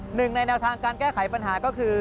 หนึ่งในแนวทางการแก้ไขปัญหาก็คือ